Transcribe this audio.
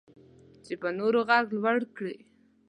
چې په نورو غږ لوړ کړي.